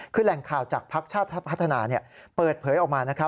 คือแหล่งข่าวจากภักดิ์ชาติพัฒนาเปิดเผยออกมา